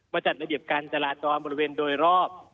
จัดระเบียบการจราจรบริเวณโดยรอบ